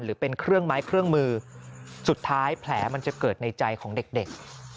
หรือเป็นเครื่องไม้เครื่องมือสุดท้ายแผลมันจะเกิดในใจของเด็ก